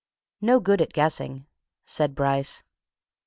"No good at guessing," said Bryce.